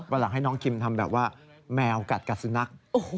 เวลาให้น้องคิมทำแบบว่าแมวกัดกัดสุนัข